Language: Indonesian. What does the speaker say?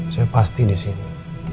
saya pasti disini